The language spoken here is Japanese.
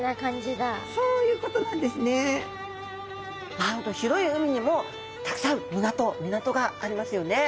なんと広い海にもたくさん港がありますよね。